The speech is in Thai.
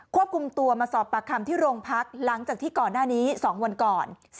ควบคุมตัวมาสอบปากคำที่โรงพักหลังจากที่ก่อนหน้านี้๒วันก่อน